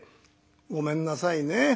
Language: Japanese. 「ごめんなさいね。